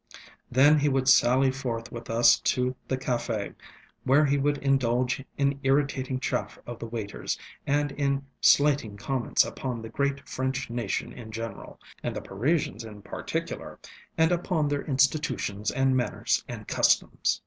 ŌĆ£Then he would sally forth with us to the caf├®, where he would indulge in irritating chaff of the waiters, and in slighting comments upon the great French nation in general, and the Parisians in particular, and upon their institutions and manners and customs.